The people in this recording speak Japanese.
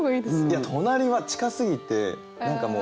いや隣は近すぎて何かもう。